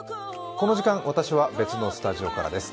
この時間、私は別のスタジオからです。